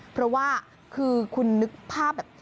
เพราะว่าคือคุณนึกภาพแบบ